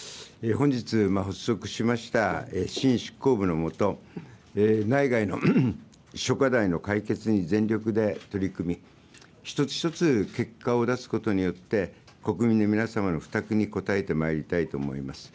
本日発足しました新執行部のもと、内外の諸課題の解決に全力で取り組み、一つ一つ結果を出すことによって、国民の皆様の負託に応えてまいりたいと思います。